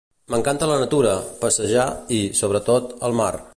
M'encanta la natura, passejar i, sobretot, el mar.